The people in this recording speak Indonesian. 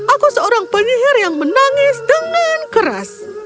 aku seorang penyihir yang menangis dengan keras